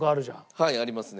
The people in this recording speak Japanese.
はいありますね。